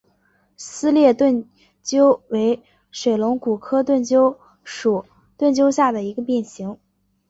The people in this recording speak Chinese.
撕裂盾蕨为水龙骨科盾蕨属盾蕨下的一个变型。